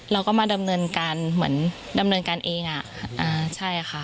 เราก็มาดำเนินการเหมือนดำเนินการเองอ่ะอ่าใช่ค่ะ